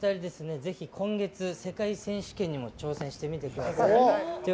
ぜひ今月世界選手権にも挑戦してみてください。